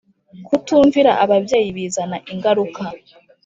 Kutumvira ababyeyi bizana ingaruka.